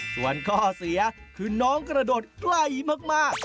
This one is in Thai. ส่วนข้อเสียคือน้องกระโดดใกล้มาก